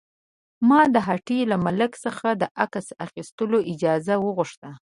ما د هټۍ له مالک څخه د عکس اخیستلو اجازه وغوښته.